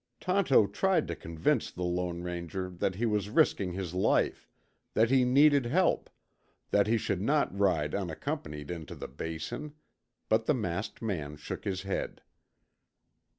Tonto tried to convince the Lone Ranger that he was risking his life, that he needed help, that he should not ride unaccompanied into the Basin; but the masked man shook his head.